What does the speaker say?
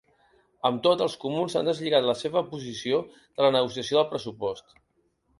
Amb tot, els comuns han deslligat la seva posició de la negociació del pressupost.